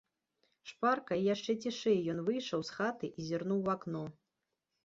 Шпарка і яшчэ цішэй ён выйшаў з хаты і зірнуў у акно.